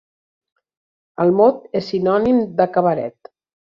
El mot és sinònim de cabaret.